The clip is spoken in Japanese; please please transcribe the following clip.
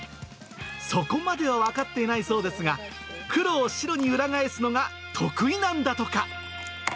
そこまでは分かっていないそうですが、黒を白に裏返すのが得意なんだとか。